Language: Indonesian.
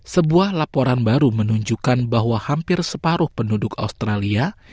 sebuah laporan baru menunjukkan bahwa hampir separuh penduduk australia